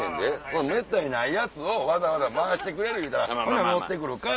そのめったにないやつをわざわざ回してくれる言うたらほな乗って来るか？